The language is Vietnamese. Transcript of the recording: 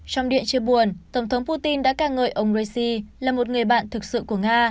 trong điện chia buồn tổng thống putin đã ca ngợi ông raisi là một người bạn thực sự của nga